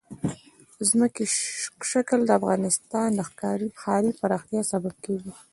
ځمکنی شکل د افغانستان د ښاري پراختیا سبب کېږي.